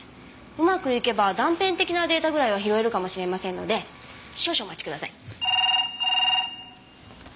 うまくいけば断片的なデータぐらいは拾えるかもしれませんので少々お待ちください。